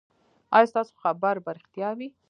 ایا ستاسو خبر به ریښتیا وي؟